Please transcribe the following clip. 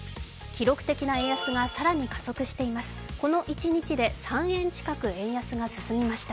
記録的な円安が更に加速しています。